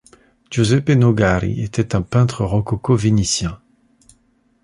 Giuseppe Nogari était un peintre rococo vénitien.